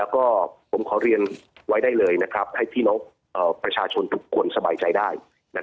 แล้วก็ผมขอเรียนไว้ได้เลยให้พี่น้องประชาชนทุกคนสบายใจได้